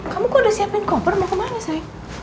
kamu kok udah siapin koper mau ke mana sayang